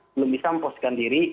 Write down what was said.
belum bisa mempostikan diri